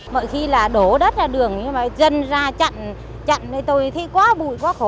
mọi khi là đổ đất ra đường nhưng mà dân ra chặn với tôi thấy quá bụi quá khổ